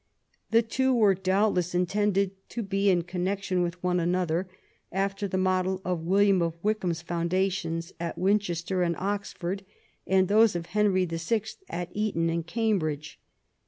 The two were doubtless intended to be in connection with one another, after the model of William of Wykeham's foundations at Winchester and Oxford, and those of Henry VI. at Eton and Cambridge.